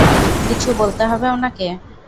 কিছু বলতে হবে উনাকে?